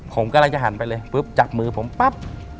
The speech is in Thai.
ผมกำลังจะหันไปเลยปุ๊บจับมือผมปั๊บ